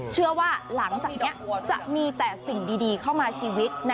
เชื่อว่าหลังจากนี้จะมีแต่สิ่งดีเข้ามาชีวิต